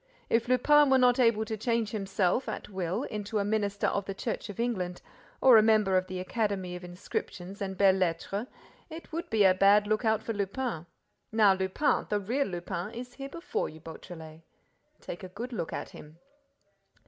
If Lupin were not able to change himself, at will, into a minister of the Church of England or a member of the Academy of Inscriptions and Belles Lettres, it would be a bad lookout for Lupin! Now Lupin, the real Lupin, is here before you, Beautrelet! Take a good look at him."